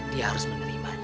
dia harus menerimanya